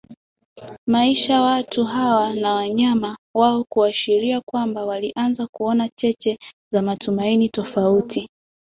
Maisha watu hawa na wanyama waoKuashiria kwamba walianza kuona cheche za Matumaini tofauti